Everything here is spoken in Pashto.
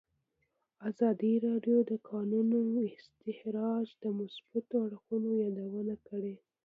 ازادي راډیو د د کانونو استخراج د مثبتو اړخونو یادونه کړې.